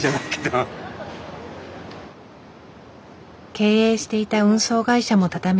経営していた運送会社も畳み